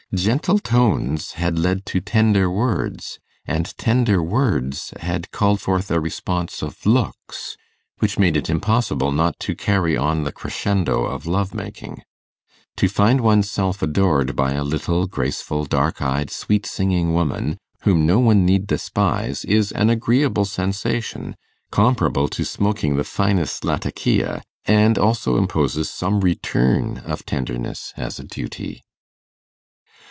Gentle tones had led to tender words, and tender words had called forth a response of looks which made it impossible not to carry on the crescendo of love making. To find one's self adored by a little, graceful, dark eyed, sweet singing woman, whom no one need despise, is an agreeable sensation, comparable to smoking the finest Latakia, and also imposes some return of tenderness as a duty.